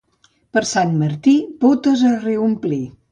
Per Sant Martí, botes a reomplir.